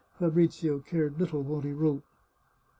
Fabrizio cared little what he wrote.